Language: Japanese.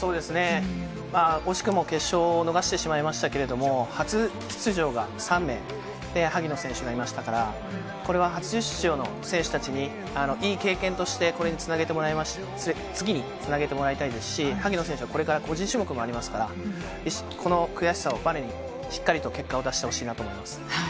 惜しくも決勝を逃してしまいましたけれども、初出場が３名で、萩野選手がいましたから、これは初出場の選手たちに、いい経験として次につなげてもらいたいですし、萩野選手はこれから個人種目もありますから、この悔しさをばねに、しっかりと結果を出してほしいなと思います。